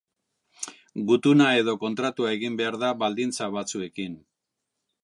Gutuna edo kontratua egin behar da baldintza batzuekin.